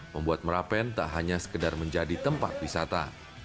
membuat merapen tak hanya sekedar menjadi tempat wisata